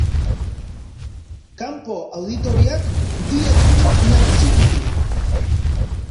Kanpo-auditoriak bi helburu nagusi ditu.